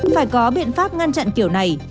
phải có biện pháp ngăn chặn kiểu này